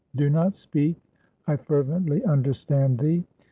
Do not speak; I fervently understand thee.